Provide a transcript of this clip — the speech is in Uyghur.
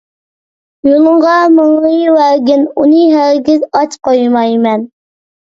يولۇڭغا مېڭىۋەرگىن، ئۇنى ھەرگىز ئاچ قويمايمەن.